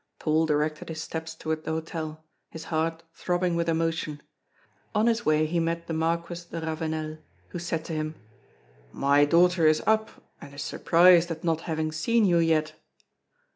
Paul directed his steps toward the hotel, his heart throbbing with emotion. On his way he met the Marquis de Ravenel, who said to him: "My daughter is up, and is surprised at not having seen you yet."